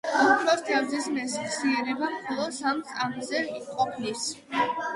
ოქროს თევზს მეხსიერება მხოლოდ სამი წამზე ჰყოფნის